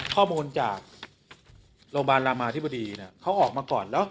ข้อมูลจากโรงพยาบาลรามาอธิบดีเนี่ยเขาออกมาก่อน